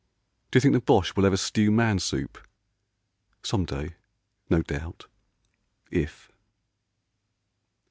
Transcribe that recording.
D'you think the Boche will ever stew man soup ? Some day, no doubt, if